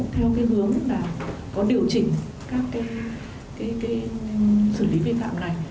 theo hướng điều chỉnh các xử lý vi phạm này